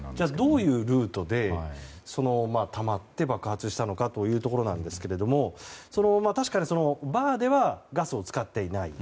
どういうルートでたまって爆発したのかというところなんですが確かに、バーではガスを使っていない。